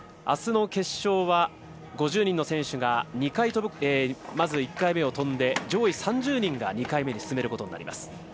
あすの決勝は５０人の選手がまず１回目を飛んで上位３０人が２回目に進めることになります。